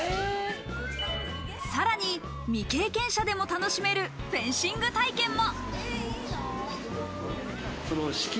さらに未経験者でも楽しめるフェンシング体験も。